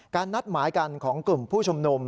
การนัดหมายการของกลุ่มผู้ชมนุม